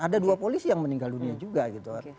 ada dua polisi yang meninggal dunia juga gitu kan